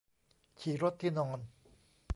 ฉี่รดที่นอน